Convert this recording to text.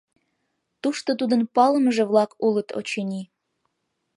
Тушто тудын палымыже-влак улыт, очыни.